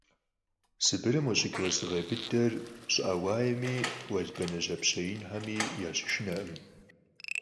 Сыбырым къыщыкӀ уэздыгъей быдэр щӀыӀэ уаеми, уэлбанэ, жьапщэ инхэми ящышынэркъым.